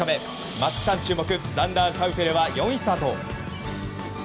松木さん注目ザンダー・シャウフェレは４位スタート。